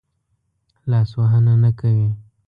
لاس وهنه نه کوي.